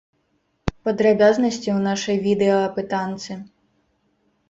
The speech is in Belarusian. Падрабязнасці ў нашай відэаапытанцы!